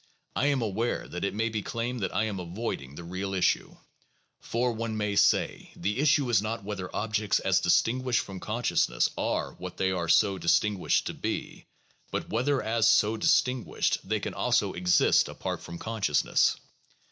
I am aware that it may be claimed that I am avoiding the real issue. For, one may say, the issue is not whether objects as distinguished from consciousness are what they are so distin guished to be, but whether as so distinguished they can also exist apart from consciousness.